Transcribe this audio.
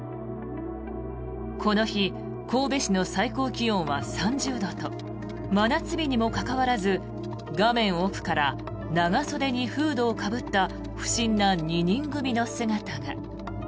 この日神戸市の最高気温は３０度と真夏日にもかかわらず画面奥から長袖にフードをかぶった不審な２人組の姿が。